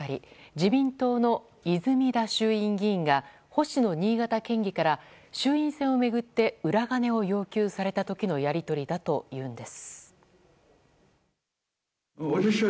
自民党の泉田衆院議員が星野新潟県議から衆院選を巡って裏金を要求された時のやり取りだというんです。